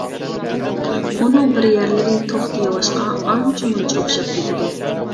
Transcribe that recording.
ئۇنىڭ بىر يەرلىرى توختى ياۋاشقا ئانچە-مۇنچە ئوخشاپ كېتىدۇ.